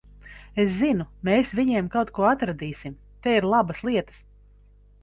Es zinu, mēs viņiem kaut ko atradīsim. Te ir labas lietas.